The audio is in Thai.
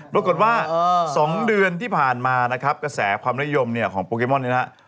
รวดกฎว่า๒เดือนที่ผ่านมานะครับกระแสความนิยมของโปเกมอนนี้นะฮะ